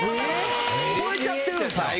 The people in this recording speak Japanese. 超えちゃってるんすか？